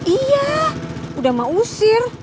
iya udah emak usir